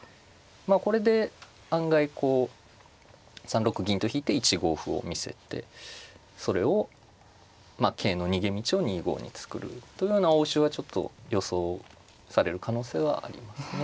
これで案外こう３六銀と引いて１五歩を見せてそれを桂の逃げ道を２五に作るというような応酬はちょっと予想される可能性はありますね。